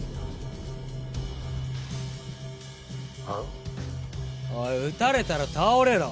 「あう？」おい撃たれたら倒れろ。